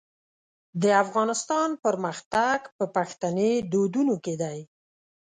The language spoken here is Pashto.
د افغانستان پرمختګ په پښتني دودونو کې دی.